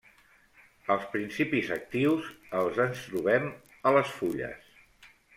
Els principis actius els en trobem a les fulles.